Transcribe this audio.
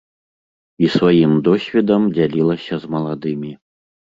І сваім досведам дзялілася з маладымі.